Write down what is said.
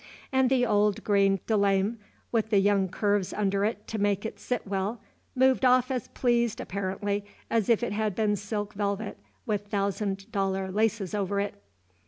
And the old green de lame, with the young curves under it to make it sit well, moved off as pleased apparently as if it had been silk velvet with thousand dollar laces over it.